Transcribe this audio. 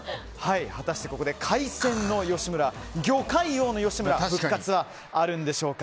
果たして、ここで海鮮の吉村魚介王の吉村復活はあるんでしょうか。